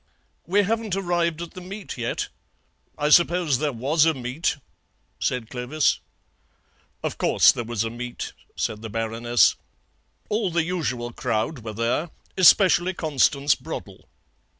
"We haven't arrived at the meet yet. I suppose there was a meet," said Clovis. "Of course there was a meet," said the Baroness; all the usual crowd were there, especially Constance Broddle.